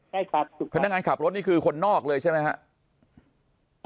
ใช่ครับพนักงานขับรถนี่คือคนนอกเลยใช่ไหมครับ